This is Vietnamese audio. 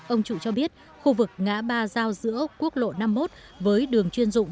ông trụ cho biết khu vực ngã ba giao giữa quốc lộ năm mươi một với đường chuyên dụng